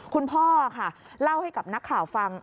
คุณพ่อค่ะเล่าให้กับนักข่าวฟัง